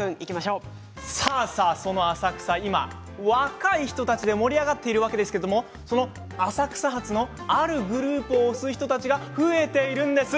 浅草、若い人で盛り上がっているわけですが浅草発のあるグループを推す人たちが増えているんです。